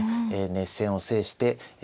熱戦を制して勢い。